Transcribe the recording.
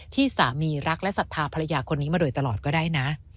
ที่สามีรักและศรัทธาภรรยาคนนี้มาโดยตลอดก็ได้นะ